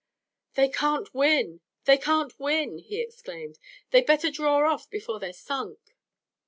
"They can't win! They can't win!" he exclaimed. "They'd better draw off before they're sunk!"